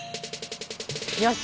よし！